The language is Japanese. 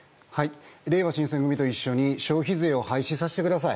れいわ新選組と一緒に消費税を廃止させてください。